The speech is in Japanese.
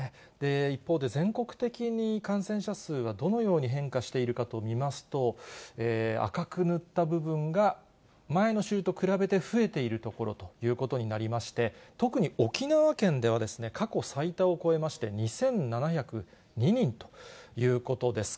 一方で全国的に感染者数はどのように変化しているかと見ますと、赤く塗った部分が、前の週と比べて増えている所ということになりまして、特に沖縄県では過去最多を超えまして、２７０２人ということです。